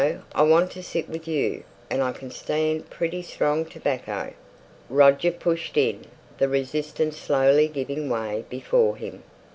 I want to sit with you, and I can stand pretty strong tobacco." Roger pushed in, the resistance slowly giving way before him.